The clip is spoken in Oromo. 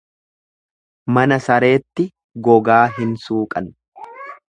Mana sareetti gogaa hin suuqan.